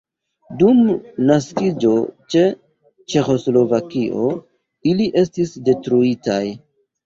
Dum naskiĝo de Ĉeĥoslovakio ili estis detruitaj.